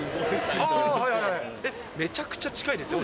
めちゃくちゃ近いですよ。